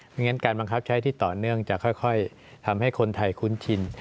งั้นการบังคับใช้ที่ต่อเนื่องจะค่อยทำให้คนไทยคุ้นชิน